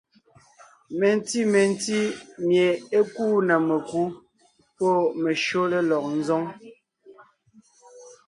Menti mentí mie é kúu na mekú pɔ́ meshÿó lélɔg ńzoŋ.